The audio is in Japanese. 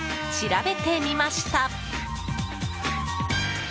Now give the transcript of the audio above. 調べてみました。